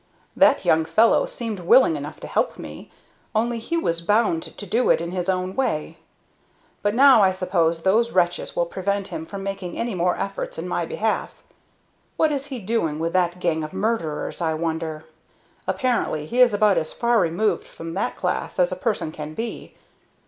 "That young fellow seemed willing enough to help me, only he was bound to do it in his own way; but now I suppose those wretches will prevent him from making any more efforts in my behalf. What is he doing with that gang of murderers, I wonder? Apparently he is about as far removed from that class as a person can be.